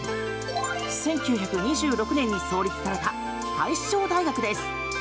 １９２６年に創立された大正大学です。